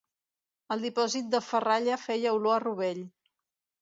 El dipòsit de ferralla feia olor de rovell.